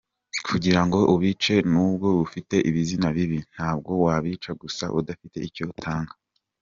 Kugira ngo ubice nubwo bifite ibizina bibi, ntabwo wabica gusa udafite icyo utanga.